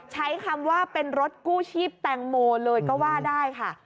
ใช้คำว่าเป็นรถกู้ชีพแตงโมเลยก็ว่าได้ค่ะ